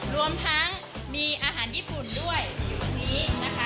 รวมทั้งมีอาหารญี่ปุ่นด้วยอยู่ตรงนี้นะคะ